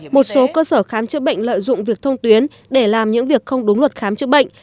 một số cơ sở khám chữa bệnh lợi dụng việc thông tuyến để làm những việc không đúng luật khám chữa bệnh